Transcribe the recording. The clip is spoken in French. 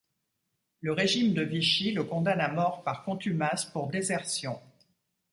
Le régime de Vichy le condamne à mort par contumace pour désertion.